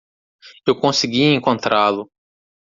Eu consegui encontrá-lo.